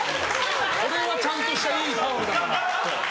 それはちゃんとしたタオルだから。